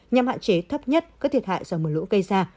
nhằm hạn chế thấp nhất các thiệt hại do mưa lũ gây ra